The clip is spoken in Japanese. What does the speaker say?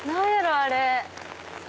あれ。